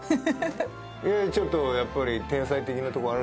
いやちょっとやっぱり天才的なとこあるんじゃない？